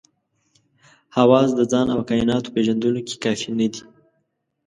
حواس د ځان او کایناتو پېژندلو کې کافي نه دي.